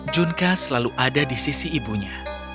junka selalu ada di sisi ibunya